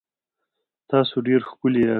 تاسو ډېر ښکلي یاست